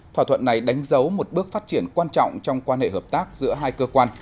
thỏa thuận này đánh dấu một bước phát triển quan trọng trong quan hệ hợp tác giữa hai cơ quan